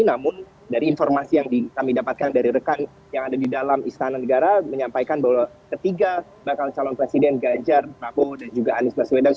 namun dari informasi yang kami dapatkan dari rekan yang ada di dalam istana negara menyampaikan bahwa ketiga bakal calon presiden ganjar pranowo dan juga anies baswedan